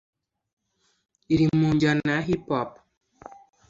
iri mu njyana ya Hip Hop